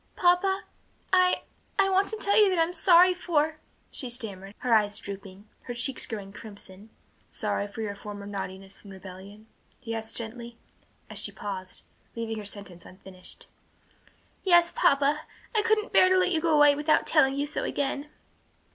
"Papa, I I wanted to tell you that I'm sorry for " she stammered, her eyes drooping, her cheeks growing crimson. "Sorry for your former naughtiness and rebellion?" he asked gently, as she paused, leaving her sentence unfinished. "Yes, papa, I couldn't bear to let you go away without telling you so again."